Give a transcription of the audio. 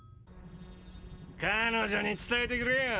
彼女に伝えてくれよ。